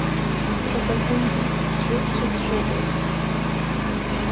Ҽаказынгьы, сҩызцәа, сшәыҳәоит.